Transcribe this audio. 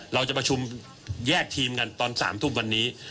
เราจะประชุมแยกทีมกันตอน๓ทุ่มวันนี้